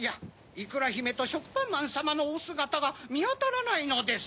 いくらひめとしょくぱんまんさまのおすがたがみあたらないのです。